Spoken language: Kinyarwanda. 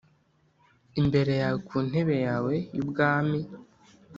imbere yawe ku ntebe yawe y'ubwami